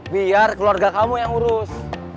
biar keluarga kamu yang urus